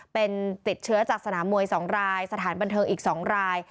เป็นติดเชื้อจากสนามมวย๒รายสถานบันเทิงอีก๒ราย